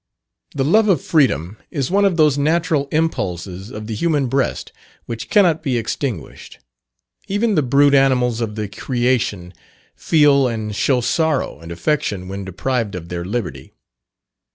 _ The love of freedom is one of those natural impulses of the human breast which cannot be extinguished. Even the brute animals of the creation feel and show sorrow and affection when deprived of their liberty.